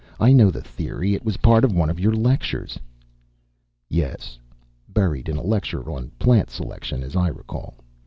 "I know the theory. It was part of one of your lectures." "Yes, buried in a lecture on plant selection, as I recall.